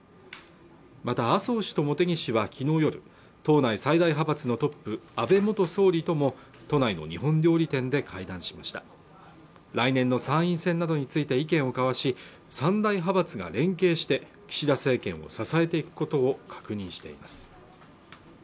また麻生氏と茂木氏は昨日夜党内最大派閥のトップ安倍元総理とも都内の日本料理店で会談しました来年の参院選などについて意見を交わし３大派閥が連携して岸田政権を支えていくことを確認しています